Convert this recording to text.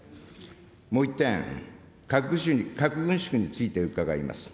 もう１点、核軍縮について伺います。